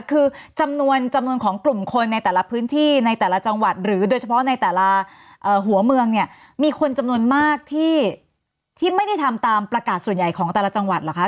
คือจำนวนจำนวนของกลุ่มคนในแต่ละพื้นที่ในแต่ละจังหวัดหรือโดยเฉพาะในแต่ละหัวเมืองเนี่ยมีคนจำนวนมากที่ไม่ได้ทำตามประกาศส่วนใหญ่ของแต่ละจังหวัดเหรอคะ